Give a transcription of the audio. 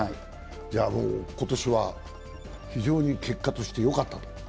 今年は非常に結果としてよかったと？